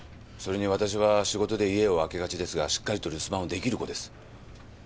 それにわたしは仕事で家を空けがちですがしっかりと留守番をできる子です。